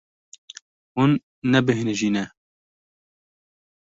Hûn nebêhnijîne.